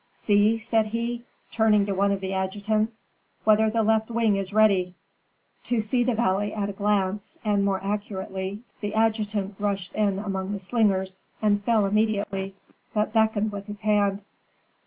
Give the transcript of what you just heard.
"See," said he, turning to one of the adjutants, "whether the left wing is ready." To see the valley at a glance, and more accurately, the adjutant rushed in among the slingers, and fell immediately, but beckoned with his hand.